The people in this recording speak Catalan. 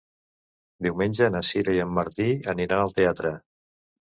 Diumenge na Sira i en Martí aniran al teatre.